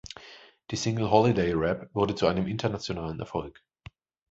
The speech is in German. Die Single "Holiday Rap" wurde zu einem internationalen Erfolg.